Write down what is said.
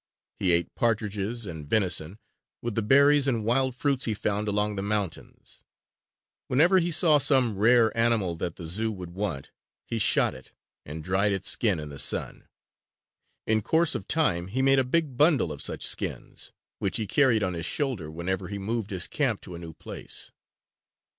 He ate partridges and venison, with the berries and wild fruits he found along the mountains. Whenever he saw some rare animal that the Zoo would want, he shot it, and dried its skin in the sun. In course of time, he made a big bundle of such skins, which he carried on his shoulder whenever he moved his camp to a new place.